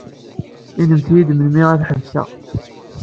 Inimt-yi-d melmi ad ḥebseɣ.